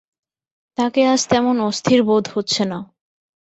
তাঁকে আজ তেমন অস্থির বোধ হচ্ছে না।